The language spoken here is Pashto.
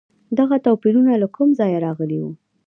دغه توپیرونه له کوم ځایه راغلي وو؟